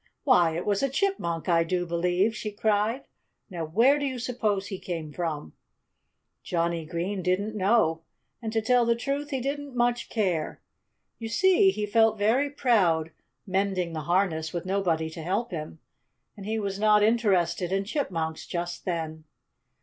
"Why, it was a chipmunk, I do believe!" she cried. "Now, where do you suppose he came from?" Johnnie Green didn't know. And to tell the truth, he didn't much care. You see, he felt very proud, mending the harness with nobody to help him. And he was not interested in chipmunks just then.